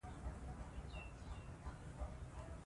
ښتې د افغانستان د دوامداره پرمختګ لپاره اړین دي.